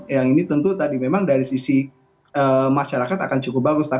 yang ini tentu tadi memang dari sisi masyarakat akan cukup bagus